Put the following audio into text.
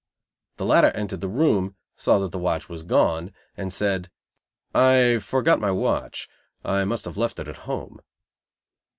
The latter entered the room, saw that the watch was gone, and said: "I forgot my watch. I must have left it home."